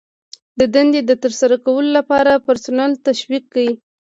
د دندې د ترسره کولو لپاره پرسونل تشویق کړئ.